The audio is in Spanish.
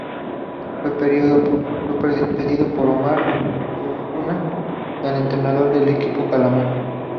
Fue pedido por Omar Labruna, el entrenador del equipo Calamar.